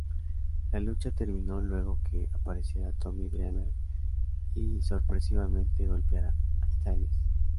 La lucha terminó luego que apareciera Tommy Dreamer y, sorpresivamente, golpeara a Styles.